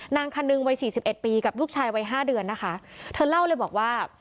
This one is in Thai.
นางคนนึงวัยสี่สิบเอ็ดปีกับลูกชายวัยห้าเดือนนะคะเธอเล่าเลยบอกว่า